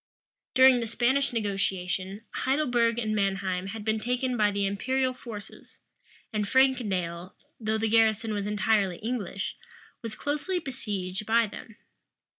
During the Spanish negotiation, Heidelberg and Manheim had been taken by the imperial forces; and Frankendale, though the garrison was entirely English, was closely besieged by them.